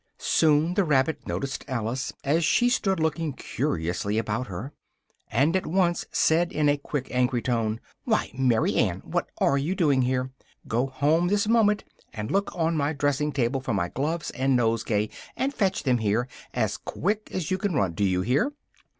Soon the rabbit noticed Alice, as she stood looking curiously about her, and at once said in a quick angry tone, "why, Mary Ann! what are you doing out here? Go home this moment, and look on my dressing table for my gloves and nosegay, and fetch them here, as quick as you can run, do you hear?"